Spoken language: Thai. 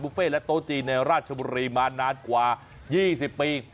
บุฟเฟต์และโต๊ะจีนในราชบุรีมานานกว่ายี่สิบปี